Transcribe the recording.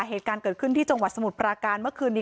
เหตุการณ์เกิดขึ้นที่จังหวัดสมุทรปราการเมื่อคืนนี้